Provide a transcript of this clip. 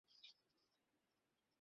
চেয়ারের ওপর আছে।